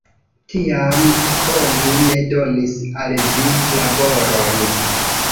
Tiam, oni ne donis al vi laboron.